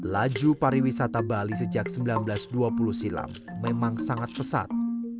laju pariwisata bali sejak seribu sembilan ratus dua puluh silam memang sangat pesat